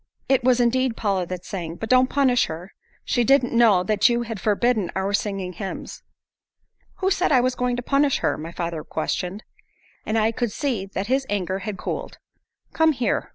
"It was indeed Paula that sang. But don't punish her. She didn't know that you had forbidden our singing hymns." "Who said I was going to punish her?" my father questioned. And I could see that his anger had cooled. "Come here!"